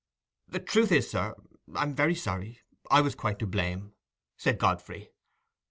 "The truth is, sir—I'm very sorry—I was quite to blame," said Godfrey.